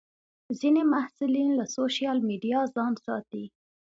ځینې محصلین له سوشیل میډیا ځان ساتي.